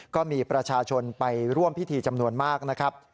ก็มีประชาชนไปร่วมพิธีจำนวนมากนะครับ